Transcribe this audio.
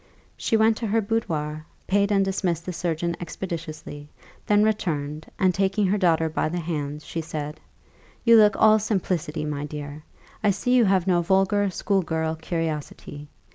She went to her boudoir, paid and dismissed the surgeon expeditiously, then returned, and taking her daughter by the hand, she said, "You look all simplicity, my dear! I see you have no vulgar, school girl curiosity.